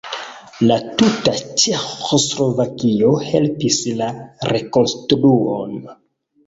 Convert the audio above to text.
La tuta Ĉeĥoslovakio helpis la rekonstruon.